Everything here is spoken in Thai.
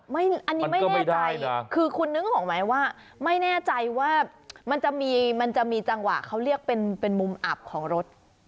อันนี้ไม่แน่ใจคือคุณนึกออกไหมว่าไม่แน่ใจว่ามันจะมีมันจะมีจังหวะเขาเรียกเป็นมุมอับของรถ